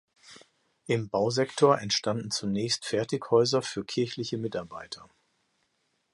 Im Bausektor entstanden zunächst Fertighäuser für kirchliche Mitarbeiter.